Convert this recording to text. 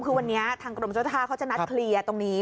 คือวันนี้ทางกรมเจ้าท่าเขาจะนัดเคลียร์ตรงนี้